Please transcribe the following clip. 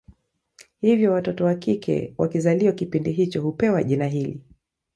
Hivyo watoto wakike wakizaliwa kipindi hicho hupewa jina hili